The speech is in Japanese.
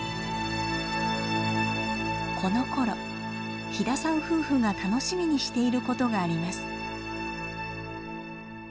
このころ飛田さん夫婦が楽しみにしていることがあります。